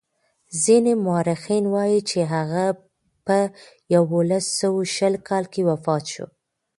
ځینې مورخین وايي چې هغه په یوولس سوه شل کال کې وفات شو.